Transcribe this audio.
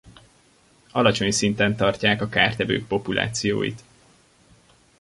Alacsony szinten tartják a kártevők populációit.